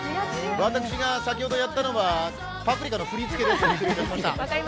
私が先ほどやったのは「パプリカ」の振り付けです。